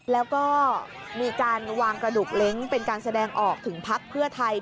แล้วก็มีการวางกระดูกเล้งเป็นการแสดงออกถึงพักเพื่อไทย